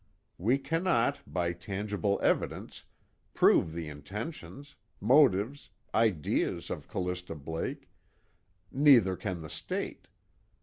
We cannot, by tangible evidence, prove the intentions, motives, ideas of Callista Blake; neither can the State.